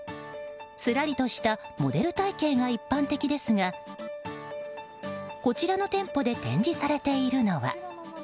すらりとしたモデル体形が一般的ですがこちらの店舗で展示されているのは。